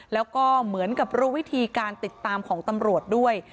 แล้วก็เหมือนกับรู้วิธีการติดตามของตำรวจด้วย